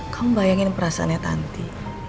kamu bayangin perasaannya tanti